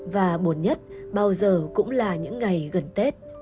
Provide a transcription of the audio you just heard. và buồn nhất bao giờ cũng là những ngày gần tết